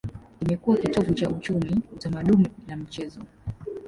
Imekuwa kitovu cha uchumi, utamaduni na michezo.